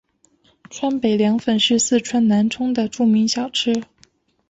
川北凉粉是四川南充的著名小吃。